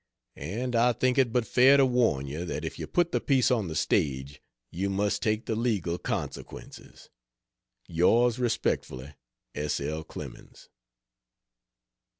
And I think it but fair to warn you that if you put the piece on the stage, you must take the legal consequences. Yours respectfully, S. L. CLEMENS.